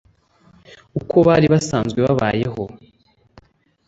uko bari basanzwe babayeho